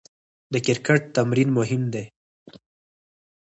د کرکټ تمرین مهم دئ.